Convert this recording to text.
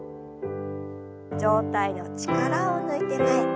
上体の力を抜いて前。